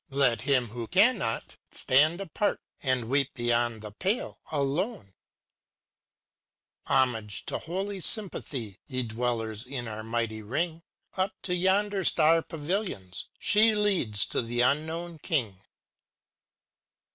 Let him who cannot, stand apart. And weep beyond the pale, alone I Chorus â Homage to holy Sympathy, Ye dwellers in our mighty ring; Up to yon star pavilions â she Leads to the Unknown King!